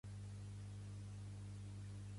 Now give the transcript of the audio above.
Jo soc la Carme, soc de Catalunya i visc a Reus.